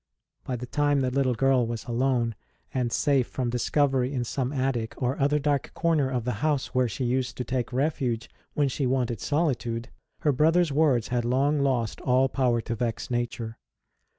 13 y the time the little girl was alone, and safe from discovery in some attic or other dark corner of the house where she used to take refuge when she wanted solitude, her brother s words had long lost all power to vex nature.